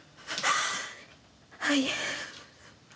はい。